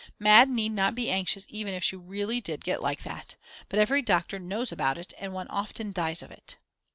Mad. need not be anxious even if she really did get like that. But every doctor knows about it and one often dies of it.